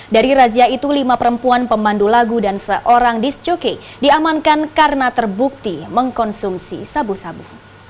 dari razia itu lima perempuan pemandu lagu dan seorang discuke diamankan karena terbukti mengkonsumsi sabu sabu